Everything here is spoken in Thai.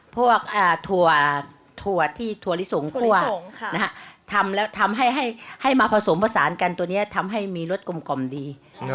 ถั่วที่ถั่วลิสงคั่วทำแล้วทำให้มาผสมผสานกันตัวนี้ทำให้มีรสกลมดี